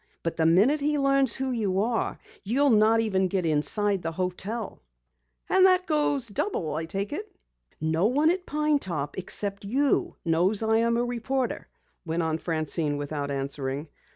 But the minute he learns who you are you'll not even get inside the hotel." "And that goes double, I take it?" "No one at Pine Top except you knows I am a reporter," went on Francine without answering.